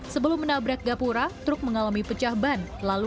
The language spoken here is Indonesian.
sebelum menabrak gapura truk mengalami pecah ban